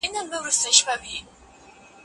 که څوک څېړونکی نه وي نو هغه د لارښوونې حق نلري.